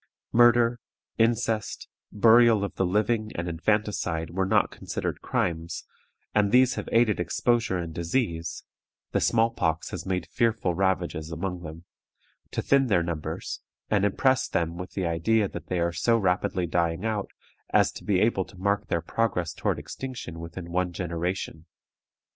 Murder, incest, burial of the living, and infanticide, were not considered crimes, and these have aided exposure and disease (the small pox has made fearful ravages among them) to thin their numbers, and impress them with the idea that they are so rapidly dying out as to be able to mark their progress toward extinction within one generation.